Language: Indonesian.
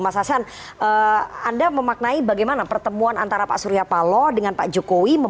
mas hasan anda memaknai bagaimana pertemuan antara pak surya paloh dengan pak jokowi